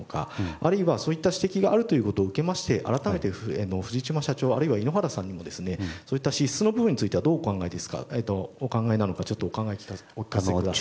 あるいはそういった指摘があるということを受けまして改めて、藤島社長あるいは井ノ原さんにもそういった資質の部分についてはどうお考えなのかお考えをお聞かせください。